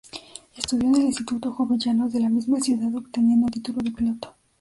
Estudió en el Instituto Jovellanos de la misma ciudad obteniendo el título de piloto.